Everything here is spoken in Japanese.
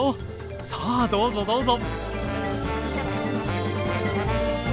さあどうぞどうぞ。